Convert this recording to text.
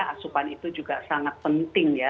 asupan itu juga sangat penting ya